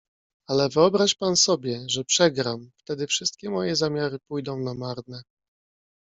"Ale wyobraź pan sobie, że przegram, wtedy wszystkie moje zamiary pójdą na marne."